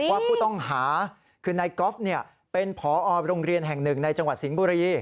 ว่าผู้ต้องหาคือนายกอล์ฟเป็นผอโรงเรียนแห่งหนึ่งในจังหวัดสิงห์บุรี